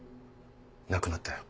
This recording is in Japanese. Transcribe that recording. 亡くなったよ。